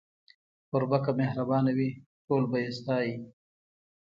کوربه که مهربانه وي، ټول به يې ستایي.